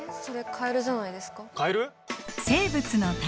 カエル？